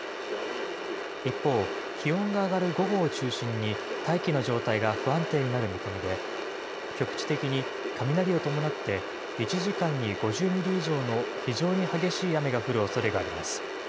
一方、気温が上がる午後を中心に大気の状態が不安定になる見込みで、局地的に雷を伴って、１時間に５０ミリ以上の非常に激しい雨が降るおそれがあります。